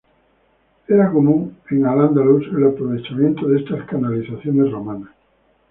Era común en Al-ándalus el aprovechamiento de estas canalizaciones romanas.